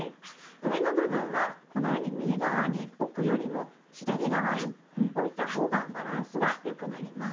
上の部分はこのように右側に置くよりも左側に置いたほうがバランスが良くなります。